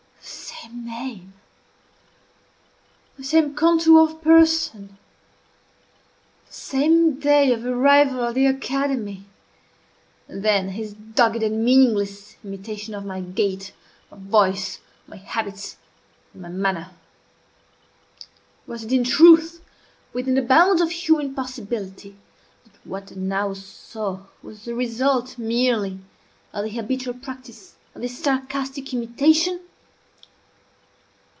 The same name! the same contour of person! the same day of arrival at the academy! And then his dogged and meaningless imitation of my gait, my voice, my habits, and my manner! Was it, in truth, within the bounds of human possibility, that what I now saw was the result, merely, of the habitual practice of this sarcastic imitation?